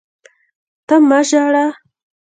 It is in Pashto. ته مه ژاړه!